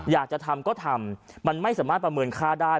อยากจะทำก็ทำมันไม่สามารถประเมินค่าได้